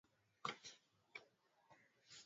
na ndio tunafikia tamati ya makala ya wimbi la siasa